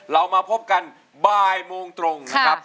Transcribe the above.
เรามาพบกันบ่ายโมงตรงนะครับ